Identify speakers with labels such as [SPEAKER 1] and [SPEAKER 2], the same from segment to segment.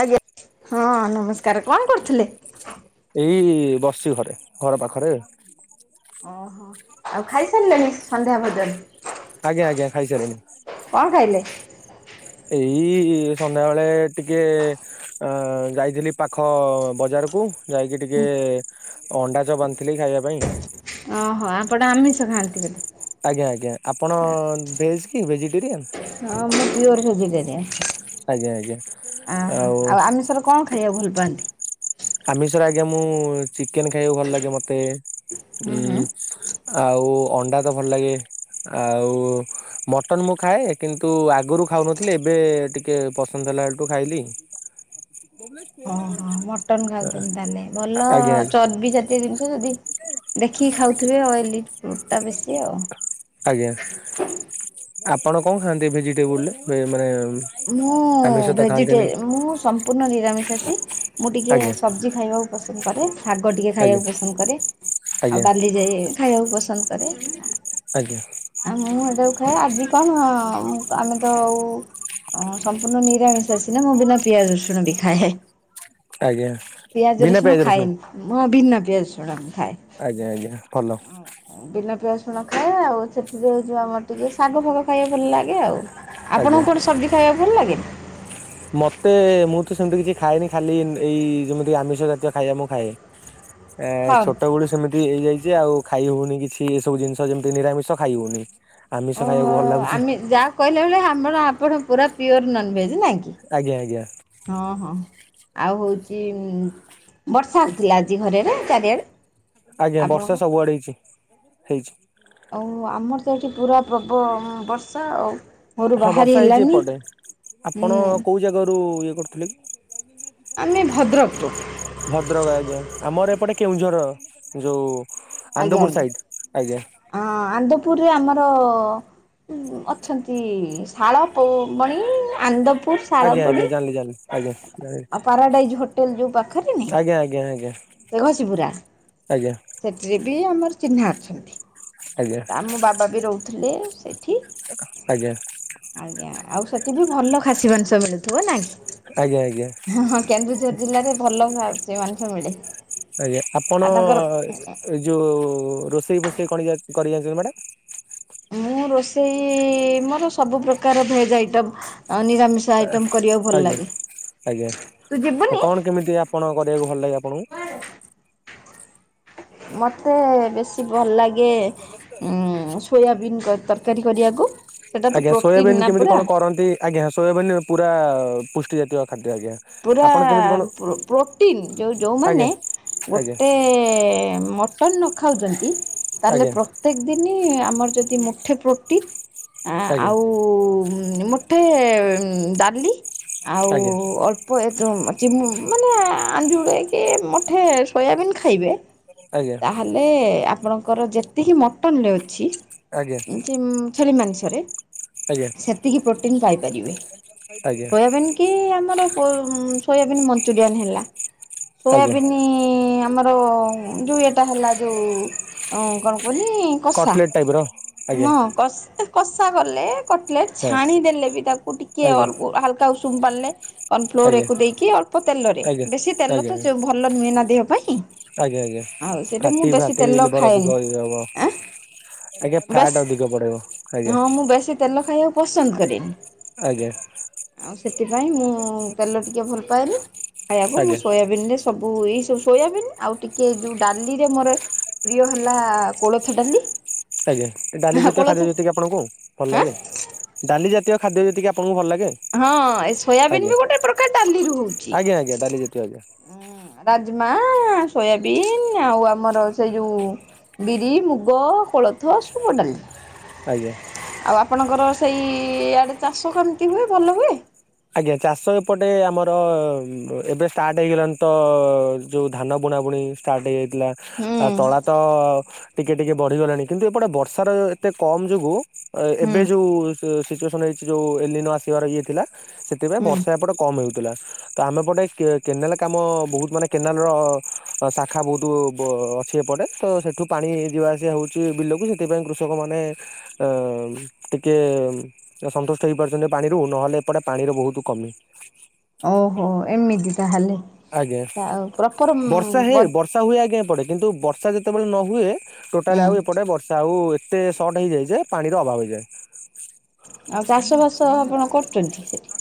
[SPEAKER 1] ଆଜ୍ଞା ହଁ ନମସ୍କାର କଣ କରୁଥିଲେ?
[SPEAKER 2] ଏଇ ବସିଚି ଘରେ ଘରପାଖରେ।
[SPEAKER 1] ଓହୋ ଆଉ ଖାଇସାରିଲେଣିି ସନ୍ଧ୍ୟା ଭୋଜନ?
[SPEAKER 2] ଆଜ୍ଞା ଆଜ୍ଞ ଖାଇସାରିଣି।
[SPEAKER 1] କଣ ଖାଇଲେ?
[SPEAKER 2] ଏଇ ସନ୍ଧ୍ୟାବେଳେ ଟିକିଏ। ଅ ଯାଇଥିଲି ପାଖ ବଜାରକୁ। ଯାଇକି ଟିକେ ଅଣ୍ଡାଚପ ଆଣିଥିଲି ଖାଇବା ପାଇଁ।
[SPEAKER 1] ଓହୋ ଆପଟ ଆମିଷ ଖାଆନ୍ତି ବୋଲି।
[SPEAKER 2] ଆଜ୍ଞା ଆଜ୍ଞା ଆପଣ ଭେଜ୍ କି ଭେଜିଟେରିଆନ୍?
[SPEAKER 1] ହଁ ମୁଁ ପିଓର ଭେଜିଟେରିଆ
[SPEAKER 2] ଆଜ୍ଞା ଆଜ୍ଞା
[SPEAKER 1] ଆହା ଆଉ ଆମି ଥର କଣ ଖାଇବାକୁ ଭଲ ପାଆନ୍ତି?
[SPEAKER 2] ଆମିଷରେ ଆଜ୍ଞା ମୁଁ ଚିକେନ ଖାଇବାକୁ ଭଲ ଲାଗେ ମତେ
[SPEAKER 1] ହୁଁ ହୁଁ
[SPEAKER 2] ଉଁ ଆଉ ଅଣ୍ଡାତ ଭଲ ଲାଗେ ଆଉ ମଟନ ମୁଁ ଖାଏ। କିନ୍ତୁ ଆଗରୁ ଖାଉନଥିଲି ଏବେ ଟିକଏ ପସନ୍ଦ ହେଲା ବେଳଠୁ ଖାଇଲି।
[SPEAKER 1] [inaudible]
[SPEAKER 2] [inaudible]
[SPEAKER 1] ମଟନ ଖାଉଛନ୍ତି ତାହେଲେ ଭଲ
[SPEAKER 2] ଆଜ୍ଞା ଆଜ୍ଞା
[SPEAKER 1] ଚର୍ବି ଜାତୀୟ ଜିନିଷ ଯଦି। ଦେଖିକି ଖାଉଥିବେ ଅଏଲି ପୁଟା ବେଶୀ ଆଉ।
[SPEAKER 2] ଆଜ୍ଞା ଆପଣ କଣ ଖାଆନ୍ତି ଭେଜିଟେବୁଲରେ ମେ ମାନେ
[SPEAKER 1] ମୁଁ
[SPEAKER 2] ଆମିଷ ତ
[SPEAKER 1] ଭେଜିଟେ
[SPEAKER 2] ଖାଆନ୍ତିନି?
[SPEAKER 1] ମୁଁ ସମ୍ପୂର୍ଣ ନିରାମିଷାଷୀ ମୁଁ ଟିକିଏ
[SPEAKER 2] ଆଜ୍ଞା
[SPEAKER 1] ସବଜି ଖାଇବାକୁ ପସନ୍ଦ କରେ ଶାଗ ଟିକିଏ
[SPEAKER 2] ଆଜ୍ଞା
[SPEAKER 1] ଖାଇବାକୁ ପସନ୍ଦ କରେ
[SPEAKER 2] ଆଜ୍ଞା
[SPEAKER 1] ଆଉ ଡାଲି ଯଏ ଖାଇବାକୁ ପସନ୍ଦ କରେ।
[SPEAKER 2] ଆଜ୍ଞା।
[SPEAKER 1] ଆ ମୁଁ ଏଟାକୁ ଖାଏ ମୁଁ ଆଜି କଣ ଆମେତ ଆଉ। ଓଁ ସମ୍ପୂର୍ଣ୍ଣ ନିରାମିଷ ସିିନା ମୁଁ ବିନା ପିଆଜ ରସୁଣ ବି ଖାଏ।
[SPEAKER 2] ଆଜ୍ଞା।
[SPEAKER 1] ପିଆଜ ରସୁଣ ଖାଏନି ମୁଁ ବିନା ପିଆଜ ରସୁଣ ଖାଏ।
[SPEAKER 2] ଆଜ୍ଞା ଆଜ୍ଞା ଭଲ।
[SPEAKER 1] ବିନା ପିଆ ରସୁଣ ଖାଏ ଆଉ ସେଥିରେ ଜଉ ଆମର ଟିକେ ଶାଗଫାଗ ଖାଇବା ଭଲ ଲାଗେ ଆଉ।
[SPEAKER 2] ଆଜ୍ଞା।
[SPEAKER 1] ଆପଣଙ୍କୁ କଣ ସବଜି ଖାଇବାକୁ ଭଲ ଲାଗେ?
[SPEAKER 2] ମତେ ମୁଁ ତ ସେମିତି କିଛି ଖାଏନି ଖାଲି ଇନ୍ଦ ଏଇ ଯେମିତି ଆମିଷ ଜାତୀୟ ଖାଇବା ମୁଁ ଖାଏ।
[SPEAKER 1] [inaudible]
[SPEAKER 2] ଏ
[SPEAKER 1] ହଁ।
[SPEAKER 2] ଛୋଟବେଲୁ ସେମି ହେଇଯାଇଚି ଆଉ ଖାଇହଉନି କିଛି ଏସବୁ ଜିନିଷ ଯେମିତି ନିରାମିଷ ଖାଇହଉନି।
[SPEAKER 1] ଓହୋ ଆମେ ଯାହା କହିଲା [unintelligible] ଆପଣ ପୁରା ପିଓର ନନଭେଜ୍ ନାଇଁ କି।
[SPEAKER 2] ଆଜ୍ଞା ଆଜ୍ଞା।
[SPEAKER 1] ହଁ ହଁ ଆଉ ହଉଚି ଉଁ ବର୍ଷା ହେଉଥିଲା ଆଜି ଘରେରେ ଚାରିଆଡ଼େ।
[SPEAKER 2] ଆଜ୍ଞା
[SPEAKER 1] ଆପଣଙ୍କ
[SPEAKER 2] ବର୍ଷା ସବୁଆଡେ ହେଇଛି ହେଇଛି।
[SPEAKER 1] ଆଉ ଆମର ତ ଏଠି ପୁରା ପ୍ରବ ବର୍ଷା ଆଉ। ଘରୁ
[SPEAKER 2] ହଁ
[SPEAKER 1] ବାହାରି
[SPEAKER 2] ବର୍ଷା ହେଇଚି
[SPEAKER 1] ହେଲାନି।
[SPEAKER 2] ଏପଟେ ଆପଣ
[SPEAKER 1] ହୁଁ
[SPEAKER 2] କଉଁ ଜାଗାରୁ ଇଏ କରୁଥିଲେ କି?
[SPEAKER 1] ଆମେ ଭଦ୍ରକରୁ।
[SPEAKER 2] ଭଦ୍ରକ ଆଜ୍ଞା ଆମର ଏପଟେ କେଉଁଝର ଯେଉ ଆନ୍ଦପୁର ସାଇଡ଼୍ ଆଜ୍ଞା।
[SPEAKER 1] ହଁ ଆନ୍ଦପୁରରେ ଆମର। ଅଛନ୍ତି ଶାଳ ପୁ ବଣି ଆନ୍ଦପୁର
[SPEAKER 2] ଆଜ୍ଞା
[SPEAKER 1] ଶାଳପଡି
[SPEAKER 2] ଆଜ୍ଞା ଜାଣିଲି ଜାଣିଲି ଆଜ୍ଞା ଜାଣିଲି
[SPEAKER 1] ଆ ପାରାଡାଇଜ ହୋଟେଲ ଯୋଉ ପାଖରେ
[SPEAKER 2] ଆଜ୍ଞା ଆଜ୍ଞା ଆଜ୍ଞା
[SPEAKER 1] ନାହିଁ। ଘସିି ପୁରା
[SPEAKER 2] ଆଜ୍ଞା
[SPEAKER 1] ସେଥିରେ ବି ଆମର ଚିହ୍ନା ଅଛନ୍ତି।
[SPEAKER 2] ଆଜ୍ଞା।
[SPEAKER 1] ଆମ ବାବା ବି ରହୁଥିଲେ ସେଠି।
[SPEAKER 2] ଆଜ୍ଞା।
[SPEAKER 1] ଆଜ୍ଞା ଆଉ ସେଠି ବି ଭଲ ଖାସି ମାଂଷ ମିଳୁଥିବ ନା କି।
[SPEAKER 2] ଆଜ୍ଞା ଆଜ୍ଞା।
[SPEAKER 1] ହଁଁ ହଁ କେନ୍ଦୁଝର ଜିଲ୍ଲାରେ ଭଲ ଖାସି ମାଂସ ମିଳେ।
[SPEAKER 2] ଆଜ୍ଞା ଆପଣ
[SPEAKER 1] ଆଉ ତାଙ୍କର
[SPEAKER 2] ଏ ଯୋଉ ରୋଷେଇ ଫୋଷେଇ କଣ ଇଏ କରି ଜାଣିଛନ୍ତି ମ୍ୟାଡ଼ାମ।
[SPEAKER 1] ମୁଁ ରୋଷେଇ ମୋର ସବୁ ପ୍ରକାର ଭେଜ୍ ଆଇଟମ୍ ଅଁ ନିରାମିଷ। ଆଇଟମ କରିବାକୁ ଭଲ
[SPEAKER 2] ଆଜ୍ଞା
[SPEAKER 1] ଲାଗେ।
[SPEAKER 2] ଆଜ୍ଞା କଣ କେମିତି କଁ ଆପଣଙ୍କୁ କରିବାକୁ ଭଲ ଲାଗେ ଆପଣଙ୍କୁ।
[SPEAKER 1] ମତେ ବେଶୀ ଭଲ ଲାଗେ। ଉଁ ସୋୟାବିନ୍ କ ତରକାରୀ କରିବାକୁ। ସେଇଟା ତ
[SPEAKER 2] ଆଜ୍ଞା
[SPEAKER 1] ପ୍ରୋଟିନ୍
[SPEAKER 2] ସୋୟାବିନ୍
[SPEAKER 1] ନା
[SPEAKER 2] କେମିତି
[SPEAKER 1] ପୁରା
[SPEAKER 2] କଣ କରନ୍ତି ଆଜ୍ଞା ସୋୟାବିନ୍ ପୁରା ପୁଷ୍ଟିଜାତୀୟ ଖାଦ୍ୟ ଆଜ୍ଞା।
[SPEAKER 1] ପୁରା
[SPEAKER 2] ଆପଣ କେମିତି କଣ
[SPEAKER 1] ପ୍ରୋ ପ୍ରୋଟିନ ଯୋଉ
[SPEAKER 2] ଆଜ୍ଞା
[SPEAKER 1] ଯୋଉମାନେ
[SPEAKER 2] ଆଜ୍ଞା
[SPEAKER 1] ଗୋଟେ ମ ଟନ ନ ଖାଉଛନ୍ତି ତାହେଲେ
[SPEAKER 2] ଆଜ୍ଞା
[SPEAKER 1] ପ୍ରତେକ ଦିନ ଆମର ଯଦି ମୁଠେ ପ୍ରୋଟିନ୍। ଆ
[SPEAKER 2] ଆଜ୍ଞା
[SPEAKER 1] ଆଉ ଉଁ ମୁଠେ ଡାଲି ଆଉ
[SPEAKER 2] ଆଜ୍ଞା
[SPEAKER 1] ଅଳ୍ ଳ୍ପ ଏ ଯୋଉ ଚିମ୍ ମାନେ ଆଞୁଳାଏ ମୁଠେ ସୋୟାବିନ୍ ଖାଇବେ।
[SPEAKER 2] ଆଜ୍ଞା।
[SPEAKER 1] ତାହଲେ ଆପଣଙ୍କର ଯେତିକି ମଟନରେ ଅଛି।
[SPEAKER 2] ଆଜ୍ଞା।
[SPEAKER 1] ସେମ୍ ଛେଳି ମାଂସରେ।
[SPEAKER 2] ଆଜ୍ଞା।
[SPEAKER 1] ସେତିକି ପ୍ରୋଟିନ୍ ପାଇପାରିବେ
[SPEAKER 2] ଆଜ୍ଞା।
[SPEAKER 1] ସୋୟାବିନ୍ କି ଆମର। ପୋ ମ ସୋୟାବିନ୍ ମଞ୍ଚୁରିଆନ୍ ହେଲା
[SPEAKER 2] ଆଜ୍ଞା
[SPEAKER 1] ସୋୟାବିନ୍ ନ୍ ଆମର ଯୋଉ ଏଇଟା ହେଲା ଯୋଉ କଣ କହିଲେ। କଷା
[SPEAKER 2] କଟଲେଟ୍ ଟାଇପ୍ ର ଆଜ୍ଞା
[SPEAKER 1] ହଁ କଷ୍। କଷା କଲେ କଟଲେଟ୍
[SPEAKER 2] ହଁ
[SPEAKER 1] ଛାଣିଦେଲେ ବି ତାକୁ ଟିକେ
[SPEAKER 2] ଆଜ୍ଞା
[SPEAKER 1] ଅଲ ହାଲକା ଉଷୁମ ପାଣି ଲେ। କନ୍ ଫ୍ଲୋର
[SPEAKER 2] ଆଜ୍ଞା
[SPEAKER 1] ଏକୁ ଦେଇକି ଅଳ୍ପ ତେଲରେ
[SPEAKER 2] ଆଜ୍ଞା
[SPEAKER 1] ବେଶୀ ତେଲ ତ
[SPEAKER 2] ଆଜ୍ଞା
[SPEAKER 1] ଭଲ ନୁହେଁ ନା ଦେହ ପାଇଁ।
[SPEAKER 2] ଆଜ୍ଞା ଆଜ୍ଞା
[SPEAKER 1] ଆଉ ସେଠୁ ମୁଁ
[SPEAKER 2] ଫାଟି
[SPEAKER 1] ବେଶୀ
[SPEAKER 2] ଫାଟି
[SPEAKER 1] ତେଲ
[SPEAKER 2] ଲିଭର
[SPEAKER 1] ଖାଉନି
[SPEAKER 2] ଅଧିକ ଇଏ ହବ
[SPEAKER 1] ଆଁ।
[SPEAKER 2] ଆଜ୍ଞା
[SPEAKER 1] ବେଶ୍
[SPEAKER 2] ଫ୍ୟାଟ୍ ଅଧିକ ବଢେଇବ ଆଜ୍ଞା
[SPEAKER 1] ହଁ ମୁଁ ବେଶୀ ତେଲ ଖାଇବାକୁ ପସନ୍ଦ କରେନି।
[SPEAKER 2] ଆଜ୍ଞା।
[SPEAKER 1] ଆଉ ସେଥିପାଇଁ ମୁଁ ତେଲ ଟିକେ ଭଲ ପାଏନି ଖାଇବାକୁ
[SPEAKER 2] ଆଜ୍ଞା
[SPEAKER 1] ମୁଁ ଶୋୟା ବିନ୍ ରେ ଏଇ ସବୁ ଏଇ ସବୁ ସୋୟାବନ୍ ଆଉ ଟିକେ ଯୋଉ ଡାଲିରେ ମୋର। ପ୍ରିୟ ହେଲା କୋଳଥ ଡାଲି।
[SPEAKER 2] ଆଜ୍ଞା ଏ ଡାଲି
[SPEAKER 1] ହଁ
[SPEAKER 2] ଜାତୀୟ
[SPEAKER 1] କୋଳଥ
[SPEAKER 2] ଖାଦ୍ୟ ଯେତିକ। ଆପଣଙ୍କୁ ଭଲ
[SPEAKER 1] ଆଁ
[SPEAKER 2] ଲାଗେ ଡାଲି ଜାତୀୟ ଖାଦ୍ୟ ଯେତିକି ଆପଣଙ୍କୁ ଭଲ ଲାଗେ।
[SPEAKER 1] ହଁ ଏ ସୋୟାବନ୍
[SPEAKER 2] ଆଜ୍ଞା
[SPEAKER 1] ବି ଗୋଟେ ପ୍ରକାର ଡାଲିରୁ ହଉଛି।
[SPEAKER 2] ଆଜ୍ଞା ଆଜ୍ଞା ଡାଲି ଜାତୀୟ ଆଜ୍ଞା
[SPEAKER 1] ରାଜମା ସୋୟାବିନ୍ ଆଉ ଆମର ସେ ଯୋଉ। ବିରି ମୁଗ କୋଳଥ ସବୁ ଡାଲି।
[SPEAKER 2] ଆଜ୍ଞା।
[SPEAKER 1] ଆଉ ଆପଣଙ୍କର ସେଇ ଆଡ଼େ ଚାଷ କେମିତି ହୁଏ ଭଲ ହୁଏ।
[SPEAKER 2] ଆଜ୍ଞା ଚାଷ ଏପଟେ ଆମର ଏବେ ଷ୍ଟାର୍ଟ ହେଇଗଲାଣି ତ ଯୋଉ ଧାନ ବୁଣାବୁଣି। ଷ୍ଟାର୍ଟ ହେଇ ଯାଇଥିଲା।
[SPEAKER 1] ହୁଁ
[SPEAKER 2] ଆ ତଳା ତ ଟିକେ ଟିକେ ବଢିଗଲାଣି କିନ୍ତୁ ଏପଟେ ବର୍ଷା ର ଏତେ କମ ଯୋଗୁ। ଆ
[SPEAKER 1] ହୁଁ
[SPEAKER 2] ଏବେ ଯୋଉ ସି ସିଚୁଏସନ୍ ହେଇଛି ଯୋଉ ଏଲିନୋ ଆସିବାର ଇଏ ଥିଲା ସେଥିପାଇଁ
[SPEAKER 1] ହୁଁ।
[SPEAKER 2] ବର୍ଷା ଏପଟେ। କମ୍ ହେଉଥିଲା ତ ଆମେ ଏପଟେ କେ କେନାଲ କାମ ବହୁତ ମାନେ କେନାଲର। ଅ ଶାଖା ବହୁତ ବ ଅଛି ଏପଟେ ତ ସେଠୁ ପାଣି ଯିବା ଆସିବା ହଉଛି ବିଲକୁ ସେଠି। ସେଥିପାଇଁ କୃଷକମାନେ ଅ ଟିକେ ସନ୍ତୁଷ୍ଟ ହେଇପାରୁଛନ୍ତି ପାଣିରୁ ନହେଲେ ସେପଟେ ପାଣିର ବହୁତ କମି
[SPEAKER 1] ଓହୋ ଏମିତି ତାହେଲେ
[SPEAKER 2] ଆଜ୍ଞା
[SPEAKER 1] ଆଉ ପ୍ରପର
[SPEAKER 2] ବର୍ଷା ହେ ବର୍ଷା ହୁଏ ଆଜ୍ଞା ଏପଟେ କିନ୍ତୁ ବର୍ଷା ଯେତେବେଳେ ନ ହୁଏ ଟୋଟାଲି
[SPEAKER 1] ହୁଁ
[SPEAKER 2] ଆଉ ଏପଟେ ବର୍ଷା ଆଉ ଏତେ ସର୍ଟ ହେଇଯାଏ ଯେ ପାଣିର ଅଭାବ ହେଇଯାଏ।
[SPEAKER 1] ଆଉ ଚାଷବାସ ଆପଣ କରୁଛନ୍ତି ସେଇଠି?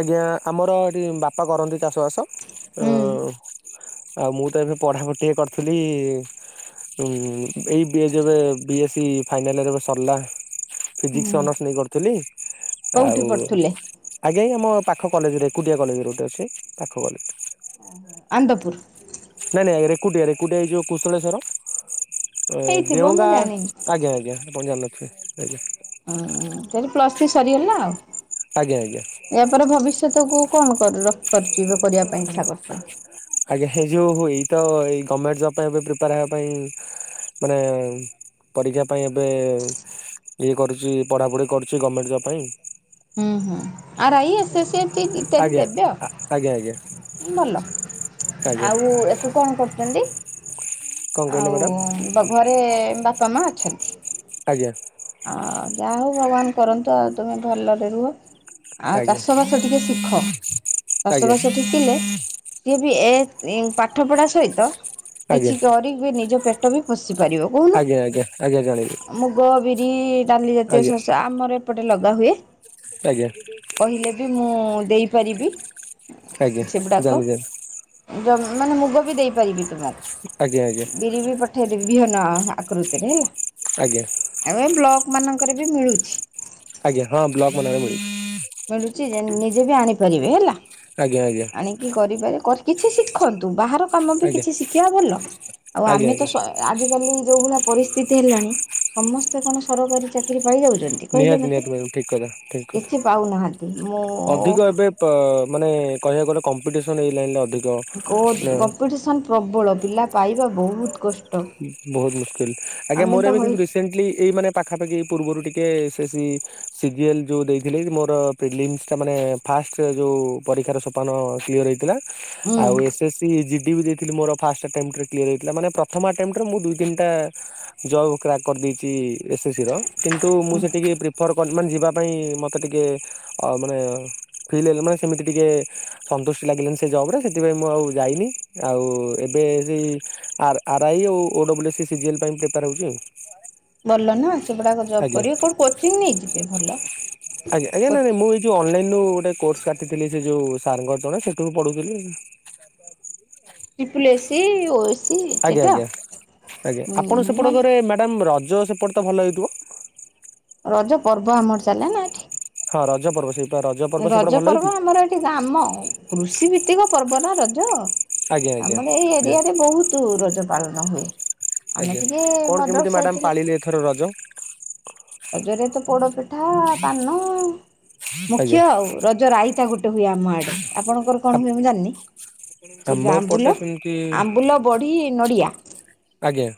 [SPEAKER 2] ଆଜ୍ଞା ଆମର ଏଠି ବାପା କରନ୍ତି ଚାଷବାସ।
[SPEAKER 1] ହୁଁ
[SPEAKER 2] ଆଉ ମୁଁ ତ ଏବେ ପଢାପଢ଼ି ଟିିକେ କରିଥିଲି। ଏଇ ଏବେ ବି ଏ ସି ଫାଇନାଲ ଇଅର ଏବେ ସରିଲା। ଫିଜିକ୍ସ ଅନର୍ସ ନେଇ କରୁଥିଲି ଆଉ
[SPEAKER 1] କୋଉଠି ପଢୁଥିଲେ?
[SPEAKER 2] ଆଜ୍ଞା ଆମ ଏଇ ପାଖ କଲେଜରେ ଏକୁଟିଆ କଲେଜରେ ଗୋଟେ ଅଛି ପାଖ କଲେଜ।
[SPEAKER 1] ଆନନ୍ଦପୁର।
[SPEAKER 2] ନାଇଁ ନାଇଁ ରେକୁଟିଆ ରେକୁଟିଆ ଏଇ ଯୋଉ କୁଶଳେସ୍ଵର।
[SPEAKER 1] ହେଇଥିବ ମୁଁ
[SPEAKER 2] ଦେଓଙ୍ଗା
[SPEAKER 1] ଜାଣିନି।
[SPEAKER 2] ଆଜ୍ଞା ଆଜ୍ଞା ଆପଣ ଜାଣିନଥିବେ ଆଜ୍ଞା।
[SPEAKER 1] ହଁ ତାଲେ ପ୍ଲସ୍ ଥ୍ରୀ ସରିଗଲା ଆଉ
[SPEAKER 2] ଆଜ୍ଞା ଆଜ୍ଞା।
[SPEAKER 1] ଏହା ପରେ ଭବିଷ୍ୟତକୁ କଣ କରୁଛି କରିବା ପାଇଁ ଇଚ୍ଛା କରୁଛନ୍ତି?
[SPEAKER 2] ଆଜ୍ଞା ଏ ଯୋଉ ଏଇ ତ ଏଇ ଗମେଣ୍ଟ ଜବ ପାଇଁ ପ୍ରିପେୟାର ହେବା ପାଇଁ ମାନେ ପରୀକ୍ଷା ପାଇଁ ଏବେ ଇଏ କରୁଛି ପଢାପଢି କରୁଛି ଗମେଣ୍ଟ ଜବ ପାଇଁ।
[SPEAKER 1] ହୁଁ ହୁଁ ଆରାଇ ଏଏସ ଆଈ ଏ ଇତ୍ୟାଦି
[SPEAKER 2] ଆଜ୍ଞା
[SPEAKER 1] ଦେବେ
[SPEAKER 2] ଆଜ୍ଞା ଆଜ୍ଞା
[SPEAKER 1] ଆଉ ଭଲ
[SPEAKER 2] ଆଜ୍ଞା
[SPEAKER 1] ଆଉ ଏବେ କଣ କରୁଛନ୍ତି?
[SPEAKER 2] କଣ କହିଲେ ମ୍ୟାଡ଼ାମ
[SPEAKER 1] ଆଉ ଘରେ ବାପା ମା ଅଛନ୍ତି।
[SPEAKER 2] ଆଜ୍ଞା।
[SPEAKER 1] ଆଉ ଯାହା ହଉ ଭଗବାନ କରନ୍ତୁ ଆଉ ତୁମେ ଭଲରେ ରୁହ। ଆଉ
[SPEAKER 2] ଆଜ୍ଞା
[SPEAKER 1] ଚାଷବାସ ଟିକେ ଶିଖ
[SPEAKER 2] ଆଜ୍ଞା
[SPEAKER 1] ଚାଷବାସ ଟିକିଲେ ସିଏ ବି ଏ ପାଠ ପଢା ସହିତ
[SPEAKER 2] ଆଜ୍ଞା
[SPEAKER 1] କିଛି କରିକି ନିଜ ପେଟ ବି ପୋସି ପାରିବ କହୁନା
[SPEAKER 2] ଆଜ୍ଞା ଆଜ୍ଞା ଆଜ୍ଞା ଜାଣିଲି
[SPEAKER 1] ମୁଗ ବି ଡାଲି ଜାତୀୟ
[SPEAKER 2] ଆଜ୍ଞା
[SPEAKER 1] ଶସ୍ୟ ଆମର ଏପଟେ ଲଗା ହୁଏ।
[SPEAKER 2] ଆଜ୍ଞା।
[SPEAKER 1] କହିଲେ ବି ମୁଁ ଦେଇପାରିବି।
[SPEAKER 2] ଆଜ୍ଞା
[SPEAKER 1] ସେଗୁଡ଼ାକ
[SPEAKER 2] ଡାଲି ଜା
[SPEAKER 1] ମାନେ ମୁଗ ବି ଦେଇପାରିବି
[SPEAKER 2] ଆଜ୍ଞା ଆଜ୍ଞା
[SPEAKER 1] ତୁମର ବିରି ବି ପ ପଠେଇଦେବି ବିହନ ଆକୃତିରେ ହେଲା।
[SPEAKER 2] ଆଜ୍ଞା।
[SPEAKER 1] ଏବେ ବ୍ଲକ ମାନଙ୍କରେ ବି ମିଳୁଛି।
[SPEAKER 2] ଆଜ୍ଞା ହଁ ବ୍ଲକ ମାନଙ୍କରେ ମିଳୁଛି।
[SPEAKER 1] ମିଳୁଛି ନିଜେ ବି ଆଣିପାରିବେ ହେଲା।
[SPEAKER 2] ଆଜ୍ଞ ଆଜ୍ଞା।
[SPEAKER 1] ଆଣି କରିପାର କିଛି ଶିଖନ୍ତୁ ବାହାର କାମ ବି
[SPEAKER 2] ଆଜ୍ଞା
[SPEAKER 1] କିଛି ଶିଖିବା ଭଲ ଆଉ
[SPEAKER 2] ଆଜ୍ଞା
[SPEAKER 1] ଆମେ ତ
[SPEAKER 2] ଆଜ୍ଞା
[SPEAKER 1] ସ୍ଵୟା ଆଜିକାଲି ଯୋଉ ଭଳିଆ ପରିସ୍ଥିତି ହେଲାଣି ସମସ୍ତେ କଣ ସରକାରୀ ଚାକି ଚାକିରି ପାଇଯାଉଛନ୍ତି କହିଲେ
[SPEAKER 2] ନିହାତି
[SPEAKER 1] ମତେ
[SPEAKER 2] ନିହାତି ମ୍ୟାଡ଼ାମ ଠିକ କଥା ଠିକ କଥା।
[SPEAKER 1] କିଛି ପାଉନାହାନ୍ତି ମୁଁ
[SPEAKER 2] ଅଧିକ ଏବେ ମାନେ କହିବାକୁ ଗଲେ କମ୍ପିଟିସନ ଏଇ ଲାଇନ ରେ ଅଧିକ। ମାନେ
[SPEAKER 1] କମ୍ପିଟିସନ ପ୍ରବଳ ପିଲା ପାଇବା ବହୁତ କଷ୍ଟ।
[SPEAKER 2] ବହୁତ ମୁସ୍କିଲି ଆଜ୍ଞା
[SPEAKER 1] ଆମେ ତ
[SPEAKER 2] ମୋର ଏବେ
[SPEAKER 1] ହଇ
[SPEAKER 2] କିନ୍ତୁ ରିସ ରିସେଣ୍ଟଲି ଏଇ ମାନେ ପାଖାପାଖି ପୂର୍ବରୁ ଟିକେ ସେ ସେଇ ସିଗିଏଲ ଯୋଉ ଦେଇଥିଲେ କି ମୋର ପିଗଲିମ୍ସଟା ମାନେ ଫାଷ୍ଟ ଯୋଉ ପରୀକ୍ଷାର ସୋପାନ କ୍ଲିୟର ହେଇଥିଲା।
[SPEAKER 1] ହୁଁ
[SPEAKER 2] ଆଉ ଏସେ ସି ଇ ଜି ଟି ବି ଦେଇଥିଲି ମୋର ଫାଷ୍ଟ ଆଟେମଣ୍ଟେରେ କ୍ଲିଅର ହେଇଥିଲା। ମାନେ ପ୍ର ପ୍ରଥମ ଆଟେମ୍ଟରେ ମୁଁ ଦୁଇ ତିନିଟା ଜବ୍ କ୍ରାକ୍ କରିଦେଇଛି ଏସେ ସିର। କିନ୍ତୁ ମୁଁ ସେଟିକି ପ୍ରିଫର୍ ମାନେ ଯିବା ପାଇଁ ମୋତେ ଟିକେ ଅ ମାନେ ଫିଲ୍ ହେଲେ ମାନେ ସେମିତି ଟିକେ ସନ୍ତୁଷ୍ଟି ଲାଗିଲାନ ସେ ଜବରେ। ସେଥିପାଇଁ ମୁଁ ଆଉ ଯାଇନି। ଆଉ ଏବେ ସେଇ ଆର ଆର୍ ଆଇ ଆଉ ଓ ଡବ୍ଲ୍ୟୁ ଏସେ ସିଜିଏଲ୍ ପାଇଁ ପ୍ରିପାରେ ହେଉଛି ଆଉ।
[SPEAKER 1] ଭଲ ନା ସେଗୁଡାକ ଜବ୍
[SPEAKER 2] ଆଜ୍ଞା।
[SPEAKER 1] କରିବେ କଉଠୁ କୋଚିଂ ନେଇଯିବେ ଭଲ।
[SPEAKER 2] ଆଜ୍ଞା ଆଜ୍ଞା ନାଇଁ ନାଇଁ ମୁଁ ଏଇ ଯୋଉ ଅନଲାଇନ ରୁ ଗୋଟେ କୋର୍ସ କାଟିିଥିଲି ଯେ ଯୋଉ ସାରଙ୍ଗ ତଳେ ସେଠୁ ମୁଁ ପଢୁଥିଲି।
[SPEAKER 1] ଟ୍ରିପଲେସି ଓ ଏ ସି
[SPEAKER 2] ଆଜ୍ଞା ଆଜ୍ଞା ଆଜ୍ଞା ଆପଣ ସେପଟ
[SPEAKER 1] ଭଲ
[SPEAKER 2] ଘରେ ମ୍ୟାଡ଼ାମ ରଜ ସେପଟେ ତ ଭଲ ହେଇଥିବ?
[SPEAKER 1] ରଜ ପର୍ବ ଆମର ଚାଲେନା ଏଠି।
[SPEAKER 2] ହଁ ରଜ ପର୍ବ ସେଇପା ରଜ ପର୍ବ ସେପଟେ ଭଲ ହେଇଥି।
[SPEAKER 1] [unintelligible] ଆମ କୃଷି ଭିତ୍ତିକ ପର୍ବ ନା ରଜ
[SPEAKER 2] ଆଜ୍ଞା ଆଜ୍ଞା
[SPEAKER 1] ଆମର ଏଇ
[SPEAKER 2] ୟେସ୍
[SPEAKER 1] ଏରିଆରେ ବହୁତ ତୁ ରଜ ପାଳନ ହୁଏ ଆମେ
[SPEAKER 2] ଆଜ୍ଞା।
[SPEAKER 1] ଟିକେ
[SPEAKER 2] କଣ କେମିତି
[SPEAKER 1] ବଦ୍ରକ
[SPEAKER 2] ମ୍ୟାଡାମ
[SPEAKER 1] ସାଇଟ
[SPEAKER 2] ପାଳିଲେ ଏଥର ରଜ?
[SPEAKER 1] ରଜରେ ତ ପୋଡ଼ପିଠା ପାନ ମୁଖ୍ୟ
[SPEAKER 2] ଆଜ୍ଞା।
[SPEAKER 1] ଆଉ ରଜ ରାଇତା ଗୋଟେ ହୁଏ ଆମ ଆଡ଼େ। ଆପଣଙ୍କର କଣ ହୁଏ ମୁଁ ଜାଣିନି ସେଇ
[SPEAKER 2] ଆମ
[SPEAKER 1] ଯୋଉ
[SPEAKER 2] ଏପଟେ
[SPEAKER 1] ଆମ୍ବୁଲ
[SPEAKER 2] ସେମିତି
[SPEAKER 1] ଆମ୍ବୁଲ ବଢ଼ି ନଡ଼ିଆ
[SPEAKER 2] ଆଜ୍ଞା।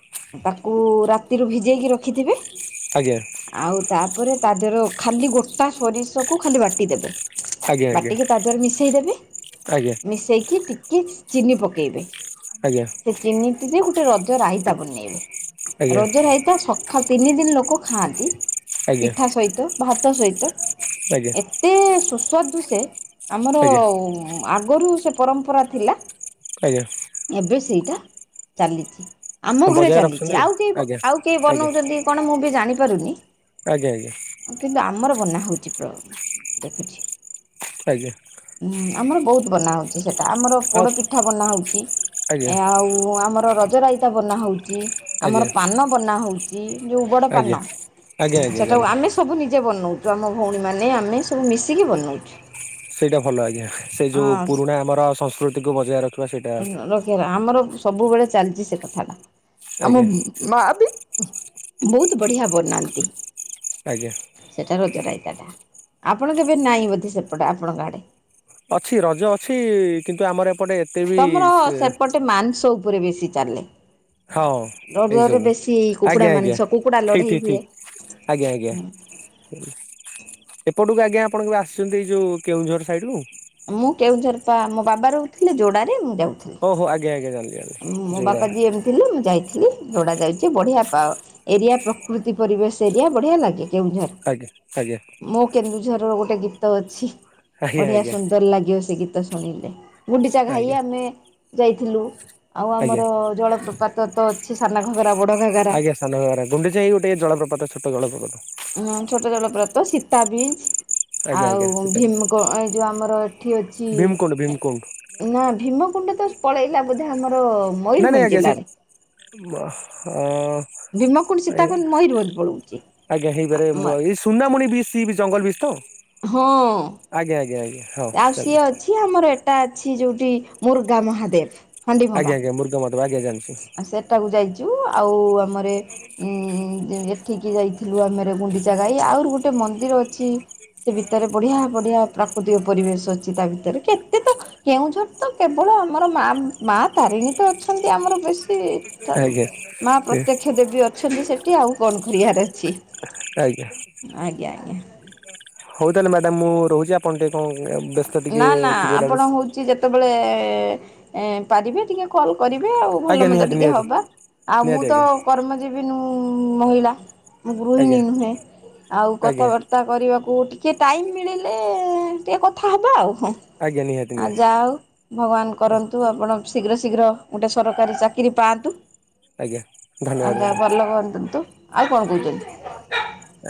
[SPEAKER 1] ତାକୁ ରାତିରୁ ଭିଜେଇକି ରଖିଥିବେ।
[SPEAKER 2] ଆଜ୍ଞା।
[SPEAKER 1] ଆଉ ତାପରେ ତା ଦେହରୁ ଖାଲି ଗୋଟା ସୋରିଷ କୁ ଖାଲି ବାଟି ଦେବେ।
[SPEAKER 2] ଆଜ୍ଞା ଆଜ୍ଞା
[SPEAKER 1] ବାଟିକି ତା ଦିହରେ ମିଶେଇ ଦେବେ
[SPEAKER 2] ଆଜ୍ଞା।
[SPEAKER 1] ମିଶେଇକି ଟିକେ ଚିନି ପକେଇବେ।
[SPEAKER 2] ଆଜ୍ଞା।
[SPEAKER 1] ସେ ଚିନିତିରେ ଗୋଟେ ରଜ ରାଇତା ବନେଇବେ
[SPEAKER 2] ଆଜ୍ଞା
[SPEAKER 1] ରଜ ରାଇତା ସ ଖା ତିନି ଦିନି ଲୋକ ଖାଆନ୍ତି ପିଠା ସହିତ ଭାତ ସହିତ।
[SPEAKER 2] ଆଗ
[SPEAKER 1] ଏତେ ସୁସ୍ୱାଦୁ ସେ ଆମର
[SPEAKER 2] ଆଜ୍ଞା
[SPEAKER 1] ଆଗରୁ ସେ ପରମ୍ପରା ଥିଲା।
[SPEAKER 2] ଆଜ୍ଞା।
[SPEAKER 1] ଏବେ ସେଇଟା ଚାଲିଚି। ଆମ ଘରେ
[SPEAKER 2] ବଜାୟ
[SPEAKER 1] ଚାଲିଛି।
[SPEAKER 2] ରଖିଛନ୍ତି
[SPEAKER 1] ଆଉ କେହି
[SPEAKER 2] ଆଜ୍ଞା
[SPEAKER 1] ଆଉ କେହି ବନଉଛନ୍ତି କଣ ମୁଁ ବି ଜାଣିପାରୁନି।
[SPEAKER 2] ଆଜ୍ଞା ଆଜ୍ଞା।
[SPEAKER 1] କିନ୍ତୁ ଆମର ବନା ହୋଉଚି ପ୍ର ଦେଖୁଛି।
[SPEAKER 2] ଆଜ୍ଞା।
[SPEAKER 1] ଉଁ ଆମର ବହୁତ ବନା ହେଉଛି ସେଟା ଆମର
[SPEAKER 2] ଆଉ
[SPEAKER 1] ପୋଡ ପିଠା ବନାହୋଉଛି
[SPEAKER 2] ଆଜ୍ଞା
[SPEAKER 1] ଆଉ ଆମର ରଜ ରାଇତା ବନା ହଉ ଚି
[SPEAKER 2] ଆଜ୍ଞା
[SPEAKER 1] ଆମର ପାନ ବନା ହଉଚି ଯୋଉ ବଡ଼
[SPEAKER 2] ଆଜ୍ଞା
[SPEAKER 1] ପାନ
[SPEAKER 2] ଆଜ୍ଞା ଆଜ୍ଞା
[SPEAKER 1] ସେଟାକୁ
[SPEAKER 2] ଜାଣିଲି
[SPEAKER 1] ଆମେ ସବୁ ନିଜେ ବନଉଚୁ ଆମ ଭଉଣୀମାନେ ଆମେ ସବୁ ମିଶିକି ବନଉଚୁ।
[SPEAKER 2] ସେଇଟା ଭଲ ଆଜ୍ଞା ସେଇ ଯୋଉ ପୁରୁଣା ଆମର ସଂସ୍କୃତିକୁ ବଜାୟ ରଖ
[SPEAKER 1] ଅଁ ରଖିବାର ଆମର ସବୁବେଳେ ଚାଲିଛି ସେ କଥା ଟା ଆମ
[SPEAKER 2] ଆଜ୍ଞା
[SPEAKER 1] ମା ବି ବହୁତ ବଢ଼ିଆ ବନାନ୍ତି।
[SPEAKER 2] ଆଜ୍ଞା।
[SPEAKER 1] ସେଇଟା ହଉଛି ରାଇତାଟା। ଆପଣ କେବେ ନାଇଁ ବୋଧେ ସେପଟେ ଆପଣଙ୍କ ଆଡ଼େ?
[SPEAKER 2] ଅଛି ରଜ ଅଛି କିନ୍ତୁ ଆମର ଏପଟେ ଏତେ ବି
[SPEAKER 1] ତମର
[SPEAKER 2] ସେ
[SPEAKER 1] ସେପଟେ ମାଂସ ଉପରେ ବେଶି ଚାଲେ।
[SPEAKER 2] ହଁ ଏଇ
[SPEAKER 1] ରଜରେ
[SPEAKER 2] ସବୁ
[SPEAKER 1] ବେଶୀ କୁକୁଡା
[SPEAKER 2] ଆଜ୍ଞା ଆଜ୍ଞା
[SPEAKER 1] ମାଂସ କୁକୁଡା
[SPEAKER 2] ଠିକ
[SPEAKER 1] ଲଢେଇ
[SPEAKER 2] ଠିକ
[SPEAKER 1] ହୁଏ।
[SPEAKER 2] ଠିକ ଆଜ୍ଞା ଆଜ୍ଞା। ଏପଟକୁ ଆଜ୍ଞା ଆପଣଙ୍କ କେବେ ଆସିଛନ୍ତି ଏଇ ଯୋଉ କେଉଁଝର ସାଇଡ କୁ?
[SPEAKER 1] ମୁଁ କେଉଁଝର ପା ମୋ ବାବା ରହୁଥିଲେ ଯୋଡାରେ ମୁଁ ଯାଉଥିଲି।
[SPEAKER 2] ଓହୋ ଆଜ୍ଞା ଆଜ୍ଞା ଜାଣିଲି ଜା
[SPEAKER 1] ମୋ ବାପା ଜିଏମ ଥିଲେ ମୁଁ ଯାଇ ଥିଲି ଯୋଡା ଯାଇଛି ବଢିଆ ପା ଏରିଆ ପ୍ରକୃତି ପରିବେଶ ଏରିଆ ବଢିଆ ଲାଗେ। କେଉଁଝର
[SPEAKER 2] ଆଜ୍ଞା ଆଜ୍ଞା
[SPEAKER 1] ମୋ କେନ୍ଦୁଝରର ଗୋଟେ ଗୀତଅଛି
[SPEAKER 2] ଆଜ୍ଞା
[SPEAKER 1] ବଢିଆ ଶୁ
[SPEAKER 2] ଆଜ୍ଞା
[SPEAKER 1] ସୁନ୍ଦର ଲାଗିବ ସେ ଗୀତ ଶୁଣିଲେ ଗୁଣ୍ଡିଚା ଘାଇ
[SPEAKER 2] ଆଜ୍ଞା
[SPEAKER 1] ଆମେ ଯାଇଥିଲୁ। ଆଉ
[SPEAKER 2] ଆଜ୍ଞା
[SPEAKER 1] ଆମର ଜଳପ୍ରପାତତ ଅଛି ସାନ ଘାଗରା ବଡ ଘାଗରା
[SPEAKER 2] ଆଜ୍ଞା ସାନ ଘାଗରା ଗୁଣ୍ଡିଚାଇ ଗୋଟେ ଜଳପ୍ରପାତ ଛୋଟ ଜଳପ୍ରପାତ
[SPEAKER 1] ହଁ ଛୋଟ ଜଳପ୍ରପାତ ସୀତାବିଞ୍ଚ
[SPEAKER 2] ଆଜ୍ଞା ଆଜ୍ଞା
[SPEAKER 1] ଆଉ
[SPEAKER 2] ସେଇଟାକୁ
[SPEAKER 1] ଭୀମ କୁ ଏଇ ଯଉ ଆମର ଏଠିଅଛି
[SPEAKER 2] ଭୀମକୁଣ୍ଡ
[SPEAKER 1] ଏ
[SPEAKER 2] ଭୀମକୁଣ୍ଡ
[SPEAKER 1] ନା ଭୀମକୁୁଣ୍ଡତ ସ ପଳେଇଲା ବୋଧେ ଆମର ମୟୂରଭଞ୍ଜ ଜିଲ୍ଲାରେ
[SPEAKER 2] ବା ହଁ।
[SPEAKER 1] ଭୀମକୁଣ୍ଡ ସୀତାକୁଣ୍ଡ ମୟୂରଭଞ୍ଜ ପଳଉଛି ଆ ମ
[SPEAKER 2] ଟୁନାମଣି ବି ସି ବିଜ ଜଙ୍ଗଲ ବିଚ ତ?
[SPEAKER 1] ହଁ।
[SPEAKER 2] ଆଜ୍ଞା ଆଜ୍ଞା ଆଜ୍ଞା। ହଁ
[SPEAKER 1] ଆଉ
[SPEAKER 2] ଚାଲି
[SPEAKER 1] ସିଏ ଅଛି ଆମର ଏଟା ଅଛି ଯୋଉଠି ମୃର୍ଗା ମହାଦେବ।
[SPEAKER 2] ଆଜ୍ଞା ଆଜ୍ଞା ମୃର୍ଗା ମହାଦେବ ଆଜ୍ଞା ଜାଣିଛି।
[SPEAKER 1] ଆଉ ସେଟାକୁ ଯାଇଛୁ ଆଉ ଆମରେ ଉଁ ଏଠିକି ଯାଇଥିଲୁ ଆମର ଗୁଣ୍ଡିଚାଘାଈ ଆହୁରି ଗୋଟେ ମନ୍ଦିର ଅଛି। ସେ ଭିତରେ ବଢିଆ ବଢିଆ ପ୍ରାକୃତିକ ପରିବେଶ ଅଛି ତା ଭିତରେ କେତେତ କେଉଁଝର ତ କେବଳ ଆମର ମା ମା ତାରିଣୀତ ଅଛନ୍ତି ଆମର ବେଶୀ ଟମ୍
[SPEAKER 2] ଆଜ୍ଞା
[SPEAKER 1] ମା ପ୍ରତ୍ୟେକ୍ଷ ଦେବୀ ଅଛନ୍ତି ସେଠି ଆଉ କଣ କରିବାର ଅଛି
[SPEAKER 2] ଆଜ୍ଞା।
[SPEAKER 1] ଆଜ୍ଞା ଆଜ୍ଞା।
[SPEAKER 2] ହଉ ତାହେଲେ ମ୍ୟାଡାମ ମୁଁ ରହୁଛି ଆପଣ ଟିକେ କଣ ଏ ବ୍ୟସ୍ତ ଟିକେ ଥିବେ ଲାଗୁଛି।
[SPEAKER 1] ଯିଏ ଯେତେବେଳେ ଏ ପାରିବେ ଟିକେ କଲ୍ କରିବେ ଆଉ
[SPEAKER 2] ଆଜ୍ଞା
[SPEAKER 1] ଭଲମନ୍ଦ
[SPEAKER 2] ନିହାତି
[SPEAKER 1] ଟିକେ
[SPEAKER 2] ନିହାତି
[SPEAKER 1] ହବା ଆଉ
[SPEAKER 2] ନିହାତି
[SPEAKER 1] ମୁଁତ
[SPEAKER 2] ଆଜ୍ଞା
[SPEAKER 1] କର୍ମଜୀବି ନୁ ମହିଳା ମୁଁ ଗୃହିଣୀ
[SPEAKER 2] ଆଜ୍ଞା
[SPEAKER 1] ନୁହେଁ ଆଉ
[SPEAKER 2] ଆଜ୍ଞା
[SPEAKER 1] କଥାବା ତା କରିବାକୁ ଟିକେ ଟାଇମ ମିଳିଲେ ଟିକେ କଥାହେବା ଆଉ ହୁଁ।
[SPEAKER 2] ଆଜ୍ଞା ନିହାତି
[SPEAKER 1] ଆ
[SPEAKER 2] ନିହାତି
[SPEAKER 1] ଯା ହଉ। ଭଗବାନ କରନ୍ତୁ ଆପଣ ଶୀଗ୍ର ଶୀଗ୍ର ଗୋଟେ ସରକାରୀ ଚାକିରି ପାଆନ୍ତୁ।
[SPEAKER 2] ଆଜ୍ଞା ଧନ୍ୟବାଦ
[SPEAKER 1] ଆଜ୍ଞା
[SPEAKER 2] ମ୍ୟାଡ଼ାମ
[SPEAKER 1] ଭଲ କରତୁନ୍ତୁ ଆଉ କଣ କହୁଛନ୍ତି?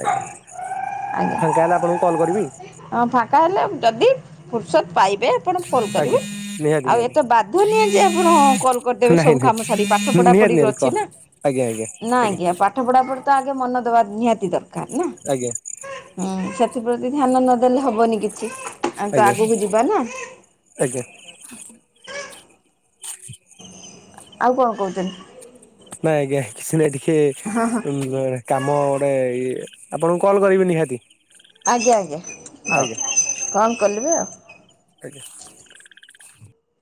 [SPEAKER 2] ଆଜ୍ଞା
[SPEAKER 1] ଆଜ୍ଞା
[SPEAKER 2] ଫାଙ୍କାହେଲେ ଆପଣଙ୍କୁ କଲ୍ କରିବି?
[SPEAKER 1] ହଁ ଫାଙ୍କାହେଲେ ଯଦି ଫୁରର୍ସତ ପାଇବେ ଆପଣ ଫୋଲ
[SPEAKER 2] ଆଜ୍ଞା
[SPEAKER 1] କରିବେ
[SPEAKER 2] ନିହାତି
[SPEAKER 1] ଆଉ
[SPEAKER 2] ନିହାତି
[SPEAKER 1] ଏତେ ବାଧ୍ୟ ନୁହେଁଯେ ଆପଣ କଲ କରିଦେବେ
[SPEAKER 2] ନାହିଁ ନାହିଁ
[SPEAKER 1] ସବୁକାମ ସାରିକି ପାଠ ପଢା
[SPEAKER 2] ନିହାତି
[SPEAKER 1] ପଢି ଅ
[SPEAKER 2] ନିହାତି କହ
[SPEAKER 1] ଛିନା।
[SPEAKER 2] ଆଜ୍ଞା ଆଜ୍ଞା।
[SPEAKER 1] ଆଜ୍ଞା ପାଠ ପଢା ପଢିତ ଆଗ ମନଦେବା ନିହାତି ଦରକାରନା?
[SPEAKER 2] ଆଜ୍ଞା।
[SPEAKER 1] ହୁଁ ସେଥିପ୍ରତି ଧ୍ୟାନ ନଦେଲେ ହବନିକିଛି ଆମେତ
[SPEAKER 2] ଆଜ୍ଞା
[SPEAKER 1] ଆଗକୁ ଯିବା ନା
[SPEAKER 2] ଆଜ୍ଞା। [unintelligible]
[SPEAKER 1] ଆଉ କଣ କହୁଛନ୍ତି?
[SPEAKER 2] ନାଇଁ ଆଜ୍ଞା କିଛି ନାଇଁ ଟିକେ ଉଁ କାମ ଗୋଟେ ଇଏ ଆପଣଙ୍କୁ କଲ କରିବି ନିହାତି
[SPEAKER 1] ଆଜ୍ଞା ଆଜ୍ଞା ହଉ
[SPEAKER 2] ଆଜ୍ଞା
[SPEAKER 1] କଣ କଲିବେ ଆଉ
[SPEAKER 2] ଆଜ୍ଞା।